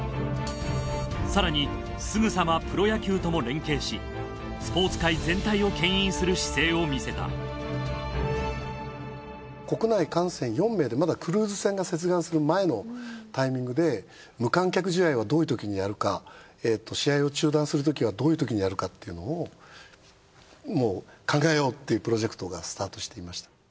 更にすぐさまプロ野球とも連携しスポーツ界全体をけん引する姿勢を見せた国内感染４名でまだクルーズ船が接岸する前のタイミングで無観客試合はどういうときにやるか試合を中断するときはどういうときにやるかっていうのをもう考えようっていうプロジェクトがスタートしていました。